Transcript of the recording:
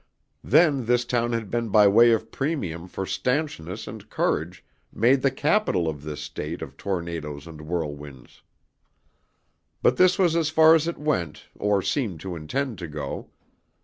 Then this town had been by way of premium for stanchness and courage made the capital of this State of tornadoes and whirlwinds. But this was as far as it went or seemed to intend to go.